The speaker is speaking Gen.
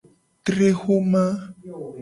Tre xoma.